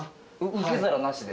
受け皿なしで。